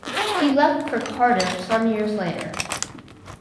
He left for Cardiff some years later.